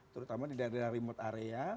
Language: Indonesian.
terutama di daerah remote area